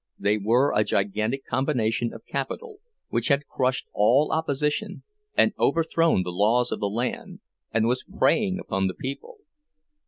They were a gigantic combination of capital, which had crushed all opposition, and overthrown the laws of the land, and was preying upon the people.